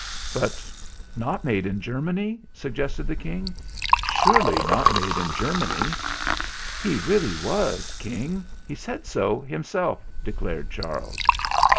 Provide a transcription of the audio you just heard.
"But not made in Germany?" suggested the King. "Surely not made in Germany?" "He really was, King he said so himself," declared Charles.